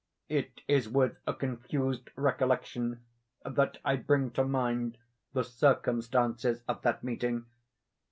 It is with a confused recollection that I bring to mind the circumstances of that meeting.